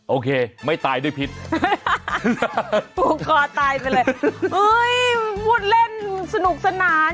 โอเคไม่ตายด้วยพิษผูกคอตายไปเลยพูดเล่นสนุกสนาน